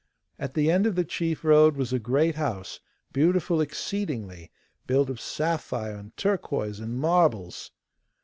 At the end of the chief road was a great house, beautiful exceedingly, built of sapphire and turquoise and marbles.